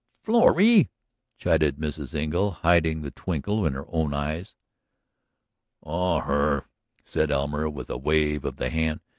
"Florrie!" chided Mrs. Engle, hiding the twinkle in her own eyes. "Oh, her," said Elmer with a wave of the hand.